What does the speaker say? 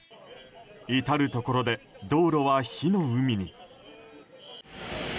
至るところで道路は火の海に。